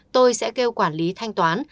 tôi sẽ kêu quản lý thanh toán